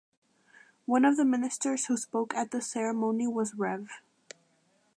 One of the ministers who spoke at the ceremony was Rev.